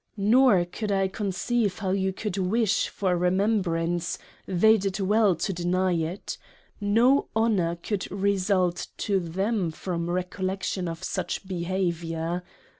Nor could I conceive how you could wish for a Remembrance they did well to deny it no Honour could result to them from Recollection of such behaviour.